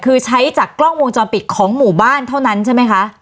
คือใช้จากกล้องวงจรปิดของหมู่บ้านเท่านั้นใช่ไหมคะ